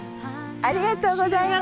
ありがとうございます。